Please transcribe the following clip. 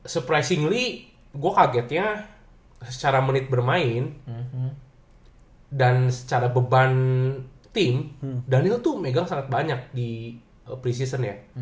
surprisingly gue kagetnya secara menit bermain dan secara beban tim daniel tuh megang sangat banyak di pres seasonnya